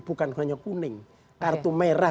bukan hanya kuning kartu merah